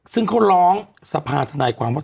ซึ่งเขาร้องสภาธนายความว่า